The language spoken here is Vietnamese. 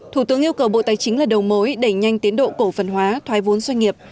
thủ tướng yêu cầu bộ tài chính là đầu mối đẩy nhanh tiến độ cổ phần hóa thoái vốn doanh nghiệp